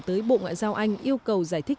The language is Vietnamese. tới bộ ngoại giao anh yêu cầu giải thích